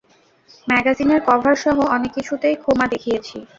ম্যাগাজিনের কভারসহ অনেককিছুতেই খোমা দেখিয়েছি।